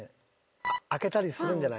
開けたりするんじゃない？